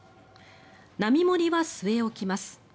並盛は据え置きます。